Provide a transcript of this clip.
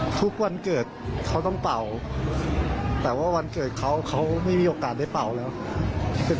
ทุกวันเกิดเขาต้องเป่าแต่ว่าวันเกิดเขาเขาไม่มีโอกาสได้เป่าแล้ว